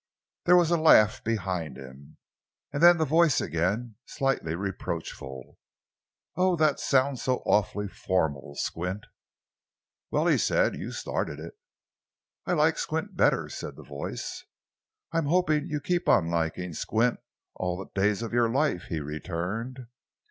There was a laugh behind him, and then the voice again, slightly reproachful: "Oh, that sounds so awfully formal, Squint!" "Well," he said, "you started it." "I like 'Squint' better," said the voice. "I'm hoping you keep on liking Squint all the days of your life," he returned.